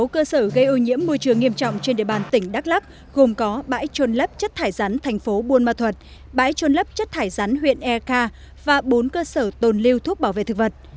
sáu cơ sở gây ô nhiễm môi trường nghiêm trọng trên địa bàn tỉnh đắk lắc gồm có bãi trôn lấp chất thải rắn thành phố buôn ma thuật bãi trôn lấp chất thải rắn huyện eka và bốn cơ sở tồn lưu thuốc bảo vệ thực vật